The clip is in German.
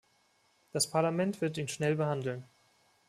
Das Parlament wird ihn schnell behandeln.